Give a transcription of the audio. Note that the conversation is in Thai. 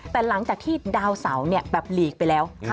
แต่หลังจากที่ดาวเสาแบบหลีกไปแล้ว